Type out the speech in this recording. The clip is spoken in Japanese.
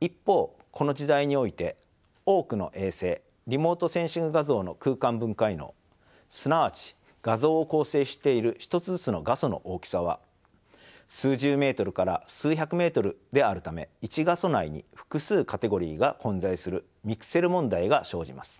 一方この時代において多くの衛星リモートセンシング画像の空間分解能すなわち画像を構成している一つずつの画素の大きさは数十メートルから数百メートルであるため１画素内に複数カテゴリが混在するミクセル問題が生じます。